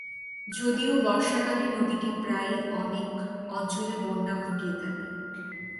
যদিও বর্ষাকালে নদীটি প্রায়ই অনেক অঞ্চলে বন্যা ঘটিয়ে থাকে।